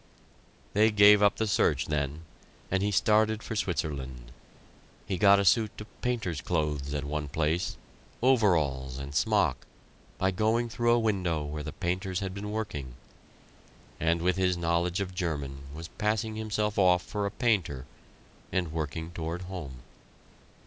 They gave up the search then, and he started for Switzerland. He got a suit of painter's clothes at one place overalls and smock by going through a window where the painters had been working, and with his knowledge of German was passing himself off for a painter, and working toward home.